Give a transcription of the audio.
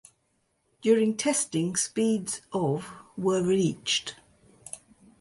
During testing speeds of were reached.